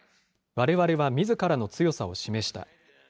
われわれはみずからの強さを示した。